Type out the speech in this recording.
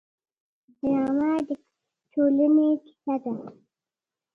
ډرامه د ټولنې کیسه ده